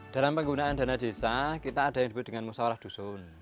dalam penggunaan dana desa kita ada yang disebut dengan musawarah dusun